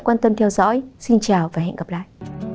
quan tâm theo dõi xin chào và hẹn gặp lại